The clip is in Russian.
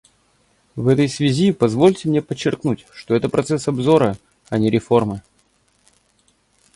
В этой связи позвольте мне подчеркнуть, что это — процесс обзора, а не реформы.